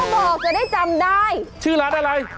บอกจะได้จำได้ชื่อร้านอะไร